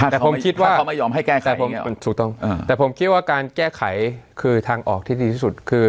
แต่ผมคิดว่าการแก้ไขคือทางออกที่ดีที่สุดคือ